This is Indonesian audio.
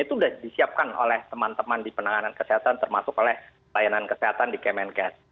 itu sudah disiapkan oleh teman teman di penanganan kesehatan termasuk oleh layanan kesehatan di kemenkes